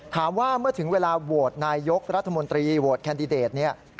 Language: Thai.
เมื่อถึงเวลาโหวตนายกรัฐมนตรีโหวตแคนดิเดตเนี่ย